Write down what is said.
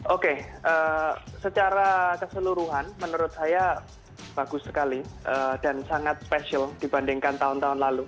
oke secara keseluruhan menurut saya bagus sekali dan sangat special dibandingkan tahun tahun lalu